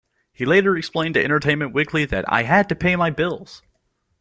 He later explained to "Entertainment Weekly" that "I had to pay my bills.